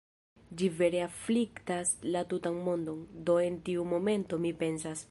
Ĝi vere afliktas la tutan mondon, do en tiu momento mi pensas: